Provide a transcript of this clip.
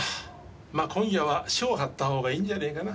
まあ今夜は署を張ったほうがいいんじゃねえかな。